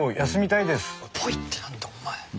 「ぽい」って何だお前。